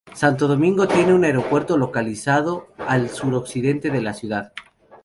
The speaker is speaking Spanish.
Santo Domingo tiene un aeropuerto, localizado al suroccidente de la ciudad.